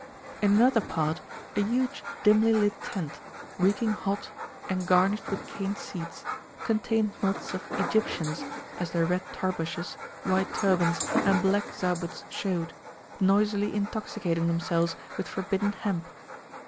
In another part, a huge dimly lit tent, reeking hot, and garnished with cane seats, contained knots of Egyptians, as their red Tarbushes, white turbands, and black Zaabuts showed, noisily intoxicating themselves with forbidden hemp.